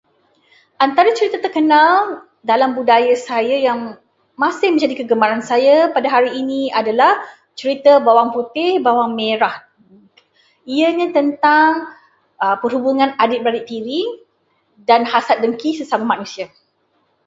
Antara cerita terkenal dalam budaya saya yang masih menjadi kegemaran saya pada hari ini adalah cerita Bawang Putih Bawang Merah. Ianya tentang perhubungan adik-beradik tiri dan hasad dengki sesama manusia.